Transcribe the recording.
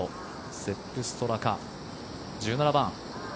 セップ・ストラカ、１７番。